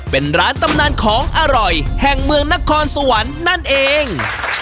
เป็นร้านตำนานของอร่อยแห่งเมืองนครสวรรค์นั่นเอง